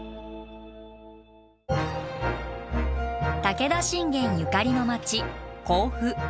武田信玄ゆかりの町甲府。